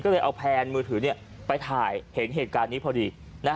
ก็เลยเอาแพลนมือถือไปถ่ายเห็นเหตุการณ์นี้พอดี